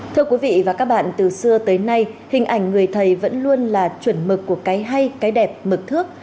thưa quý vị và các bạn từ xưa tới nay hình ảnh người thầy vẫn luôn là chuẩn mực của cái hay cái đẹp mực thước